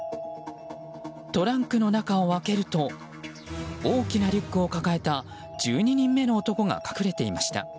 トランクの中を開けると大きなリュックを抱えた１２人目の男が隠れていました。